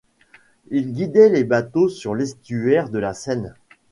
Il guidait les bateaux sur l'estuaire de la Seine.